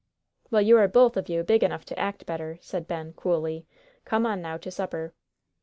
"Well, you are both of you big enough to act better," said Ben, coolly. "Come on, now, to supper."